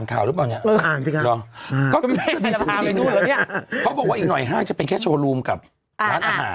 เขาบอกว่าอีกหน่อยห้างจะเป็นแค่โชว์รูมกับร้านอาหาร